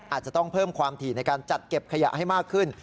อาจจะต้องเพิ่มความถี่ในการจัดเก็บขยะให้มากขึ้น